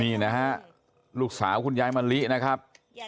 นี่นะฮะลูกสาวคุณยายมะลินะครับ